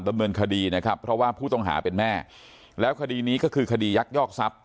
ดำเนินคดีนะครับเพราะว่าผู้ต้องหาเป็นแม่แล้วคดีนี้ก็คือคดียักยอกทรัพย